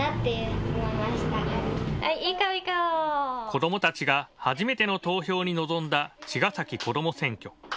子どもたちが初めての投票に臨んだちがさきこども選挙。